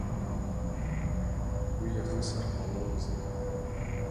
Уи иахысыр ҟаломызт.